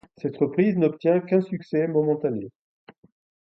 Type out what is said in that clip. Cette reprise n'obtient qu'un succès momentané.